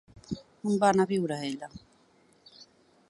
On va anar a viure ella?